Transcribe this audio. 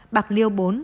bạc liêu bốn